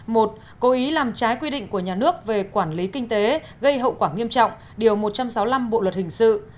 một cố ý làm trái quy định của nhà nước về quản lý kinh tế gây hậu quả nghiêm trọng điều một trăm sáu mươi năm bộ luật hình sự